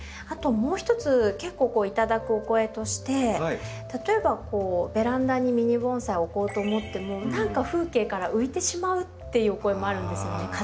あともう一つ結構頂くお声として例えばこうベランダにミニ盆栽を置こうと思っても何か風景から浮いてしまうっていうお声もあるんですよね。